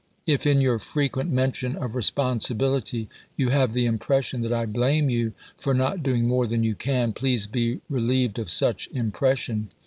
If in your frequent mention of responsibility you have the impression that I blame you for not doing more than you can, please be relieved of such impression.